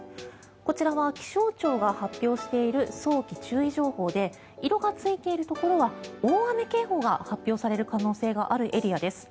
こちらは気象庁が発表している早期注意情報で色がついているところは大雨警報が発表される可能性があるエリアです。